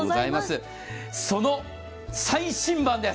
その最新版です。